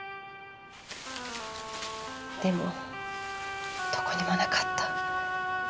でもどこにもなかった。